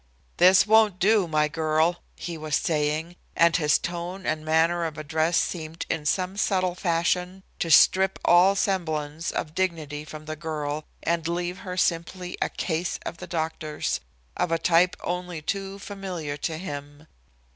"This won't do, my girl," he was saying, and his tone and manner of address seemed in some subtle fashion to strip all semblance of dignity from the girl and leave her simply a "case" of the doctor's, of a type only too familiar to him.